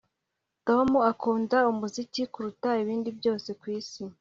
Tom akunda umuziki kuruta ibindi byose kwisi